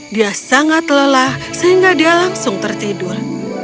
dia sangat lelah sehingga dia langsung tertidur